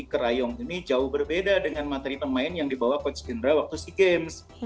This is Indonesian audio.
ke rayong ini jauh berbeda dengan materi pemain yang dibawa coach indra waktu sea games